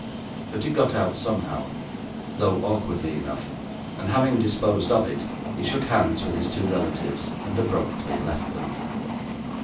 But it got out somehow, though awkwardly enough; and having disposed of it, he shook hands with his two relatives, and abruptly left them.